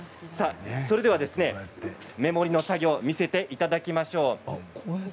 目盛りの作業を見せていただきましょう。